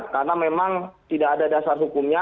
karena memang tidak ada dasar hukumnya